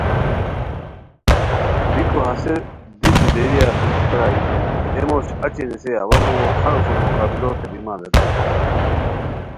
بیکو ہسے دی دودیریا ہوئی پرائے اے موش اچی نیسے! اوا مغل خانو سوم مقابلوتے بیمان ریتائے